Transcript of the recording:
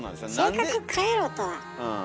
性格変えろとはうん。